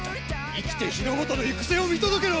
生きて日の本の行く末を見届けろ。